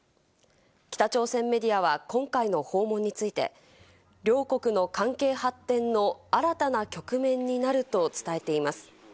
北朝鮮メディアは今回の訪問について、両国の関係発展の新たな局面になると伝えています。